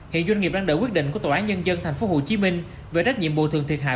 hiện doanh nghiệp đang đợi quyết định của tòa án nhân dân tp hcm về trách nhiệm bồi thường thiệt hại